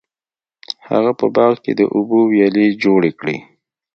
هغه په باغ کې د اوبو ویالې جوړې کړې.